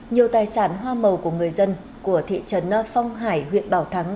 nhiều tài sản hoa màu của người dân của thị trấn phong hải huyện bảo thắng